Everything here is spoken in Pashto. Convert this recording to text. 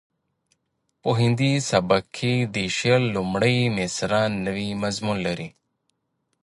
په هندي سبک کې د شعر لومړۍ مسره نوی مضمون لري